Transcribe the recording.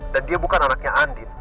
dan dia bukan anaknya andin